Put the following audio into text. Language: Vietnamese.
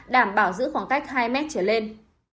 đảm bảo giữ khoảng cách hai m trở lên